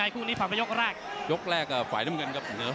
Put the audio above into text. ก็เป็นยกแรก